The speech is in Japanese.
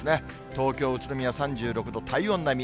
東京、宇都宮、３６度、体温並み。